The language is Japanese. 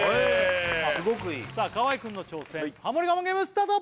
すごくいいさあ河井君の挑戦ハモリ我慢ゲームスタート！